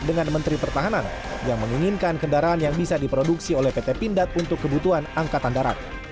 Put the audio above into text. dan menteri pertahanan yang menginginkan kendaraan yang bisa diproduksi oleh pt pindad untuk kebutuhan angkatan darat